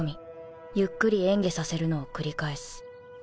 ゆっくり嚥下させるのを繰り返す